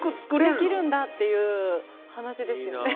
できるんだっていう話ですよね。